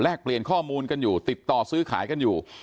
เปลี่ยนข้อมูลกันอยู่ติดต่อซื้อขายกันอยู่